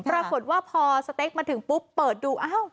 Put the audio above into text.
ปรากฏว่าพอแซเต๊กมาถึงปุ๊บเปิดดู